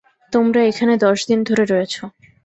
তোমরা এখানে দশ দিন ধরে রয়েছো।